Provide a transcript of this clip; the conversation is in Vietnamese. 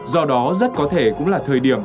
do đó rất có thể cũng là thời điểm